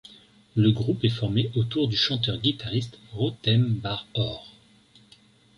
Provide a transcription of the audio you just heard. Le groupe est formé autour du chanteur guitariste Rotem Bar Or.